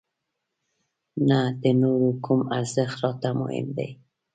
نه د نورو کوم ارزښت راته مهم دی.